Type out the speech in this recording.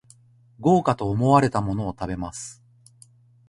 豪華と思われたものを食べます